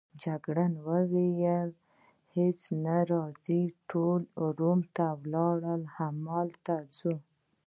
جګړن وویل: هیڅ نه، راځئ ټول روم ته ولاړ شو، همدا اوس ځو.